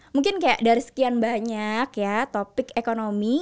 mungkin kayak dari sekian banyak ya topik ekonomi